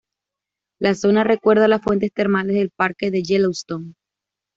La zona recuerda a las fuentes termales del parque de Yellowstone.